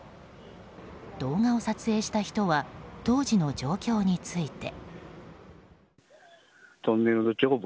動画を撮影した人は当時の状況について。